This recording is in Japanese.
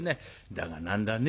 だが何だね